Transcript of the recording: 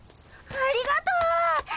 ありがとう！